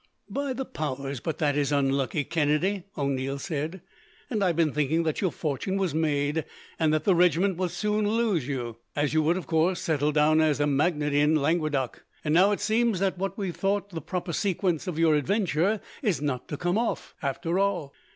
"By the powers, but that is unlucky, Kennedy!" O'Neil said; "and I have been thinking that your fortune was made, and that the regiment would soon lose you, as you would, of course, settle down as a magnate in Languedoc; and now, it seems that what we thought the proper sequence of your adventure, is not to come off, after all.